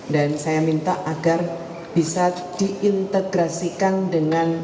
dan saya minta agar bisa diintegrasikan dengan